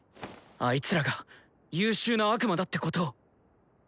あいつらが優秀な悪魔だってことを。